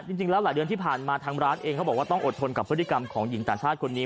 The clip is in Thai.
จริงแล้วหลายเดือนที่ผ่านมาทางร้านเองเขาบอกว่าต้องอดทนกับพฤติกรรมของหญิงต่างชาติคนนี้